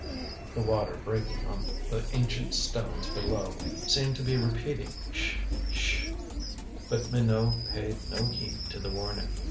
The water breaking on the ancient stones below seemed to be repeating "Sh sh," but Minot paid no heed to the warning.